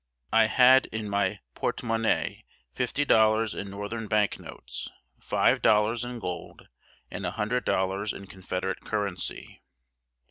I had in my portmonnaie fifty dollars in Northern bank notes, five dollars in gold, and a hundred dollars in Confederate currency.